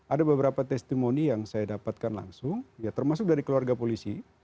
ada beberapa testimoni yang saya dapatkan langsung ya termasuk dari keluarga polisi